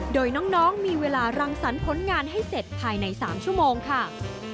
โดยน้องมีเวลารังสรรค์ผลงานให้เสร็จภายใน๓ชั่วโมงค่ะ